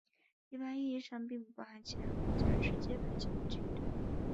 一般意义上并不包含其他国家直接派遣的军队。